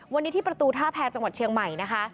วันนี้ที่ประตูท่าแพรจังหวัดเชียงใหม่นะคะ